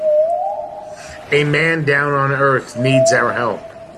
A man down on earth needs our help.